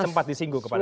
sempat disinggung kepada